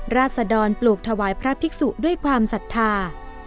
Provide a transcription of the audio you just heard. ราศดรปลูกถวายพระภิกษุด้วยความศรัทธา